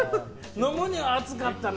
飲むには熱かったな。